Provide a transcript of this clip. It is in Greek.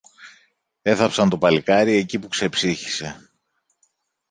Έθαψαν το παλικάρι εκεί που ξεψύχησε.